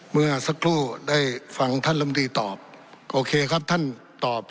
เมื่อสักครู่ได้ฟังท่านลำตีตอบโอเคครับท่านตอบ